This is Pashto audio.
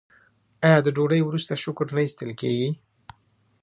آیا د ډوډۍ وروسته شکر نه ایستل کیږي؟